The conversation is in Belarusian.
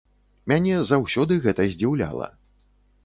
Мяне заўсёды гэта здзіўляла.